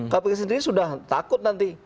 kpk sendiri sudah takut nanti